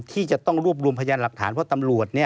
ที่จะต้องรวบรวมพยานหลักฐานเพราะตำรวจ